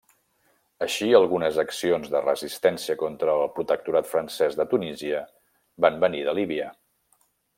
Així algunes accions de resistència contra el protectorat francès de Tunísia van venir de Líbia.